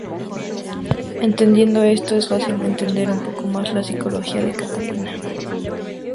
Entendiendo esto, es fácil entender un poco más la psicología de Catalina.